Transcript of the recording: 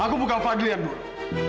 aku bukan fadil yang dulu